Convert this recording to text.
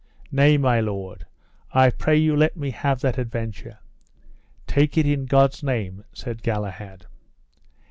Nay, my lord, I pray you let me have that adventure. Take it in God's name, said Galahad.